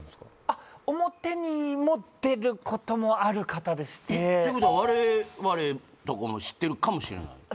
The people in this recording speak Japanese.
あっ表にも出ることもある方でしててことは我々とかも知ってるかもしれない？